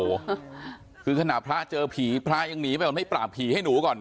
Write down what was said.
คือถึงประพุทธครรรมพระเจอผีพระยังหนีไปมาไม่ปราบผีให้หนูก่อน